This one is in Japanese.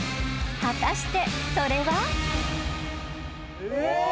［果たしてそれは］ああ。